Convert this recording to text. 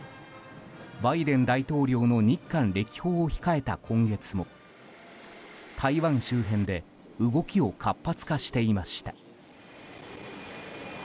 バイデン大統領の日韓歴訪を控えた今月も台湾周辺で動きを活発化していました。